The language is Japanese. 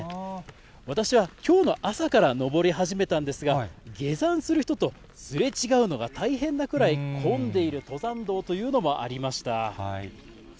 私はきょうの朝から登り始めたんですが、下山する人とすれ違うのが大変なくらい、混んでいる登山道というのもありました。